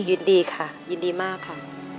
ยินดีค่ะยินดีมากค่ะ